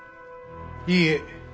いいえ。